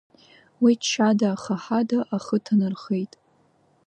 Уи џьшьада-хаҳада ахы ҭанархеит.